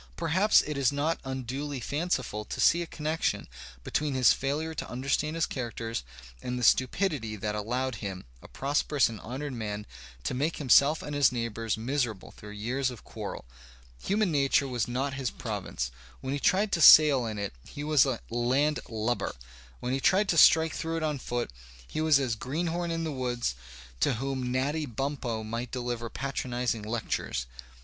Perhaps it is not unduly fanciful to see a connection between his failure to understand his characters and the stupidity that allowed him, a prosperous and honoured man, to make himself and his neighboims miserable through years of quarrel. Hunum nature was not'his province; when he tried to sail Digitized by Google « THE SPIRIT OF AMERICAN LITERATURE in it he was as a landlubber; when he tried to strike through it on foot, he was as a greenhorn in the woods to whom Natty Bumppo might dehver patronizing lectures.